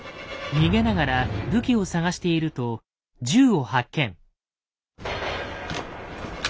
逃げながら武器を探していると銃を発見。